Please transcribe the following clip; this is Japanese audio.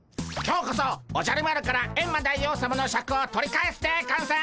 今日こそおじゃる丸からエンマ大王さまのシャクを取り返すでゴンス！